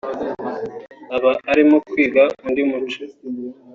aba arimo kwiga undi muco